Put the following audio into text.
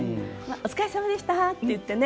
「お疲れさまでした」って言ってね